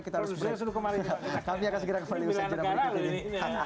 kami akan segera kembali bersama agenda berikut ini